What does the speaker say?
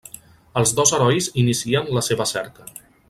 Els dos herois inicien la seva cerca.